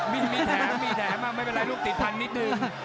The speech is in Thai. มีแถมมีแถมไม่เป็นไรลูกติดพันนิดนึง